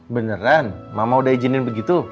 beneran mama udah izinin begitu